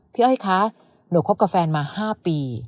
พี่เอ้ยคะหนูครบกับแฟนมา๕ปี